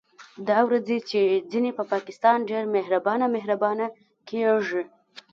دا ورځې چې ځينې په پاکستان ډېر مهربانه مهربانه کېږي